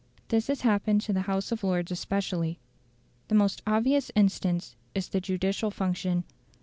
This has happened to the House of Lords especially. The most obvious instance is the judicial function.